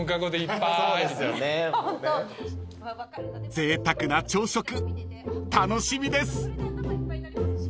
［ぜいたくな朝食楽しみです］